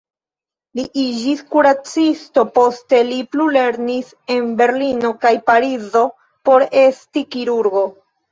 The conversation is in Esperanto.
Li iĝis kuracisto, poste li plulernis en Berlino kaj Parizo por esti kirurgo.